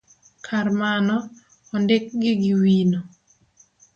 kar mano, ondikgi gi wino.